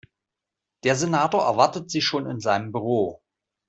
Der Senator erwartet Sie schon in seinem Büro.